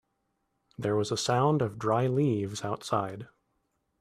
There was a sound of dry leaves outside.